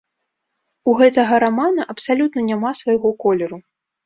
У гэтага рамана абсалютна няма свайго колеру.